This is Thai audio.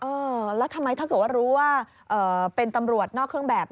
เออแล้วทำไมถ้าเกิดว่ารู้ว่าเป็นตำรวจนอกเครื่องแบบ